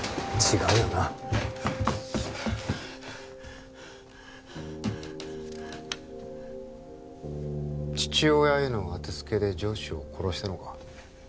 違うよな父親へのあてつけで上司を殺したのか？